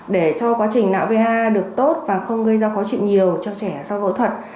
để cho quá trình nạo va được tốt và không gây ra khó chịu nhiều cho trẻ sau phẫu thuật